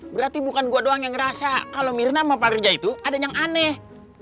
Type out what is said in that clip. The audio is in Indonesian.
berarti bukan gue doang yang ngerasa kalau mirna mau pak rija itu ada yang aneh